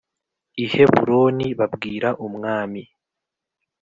i Heburoni babwira umwami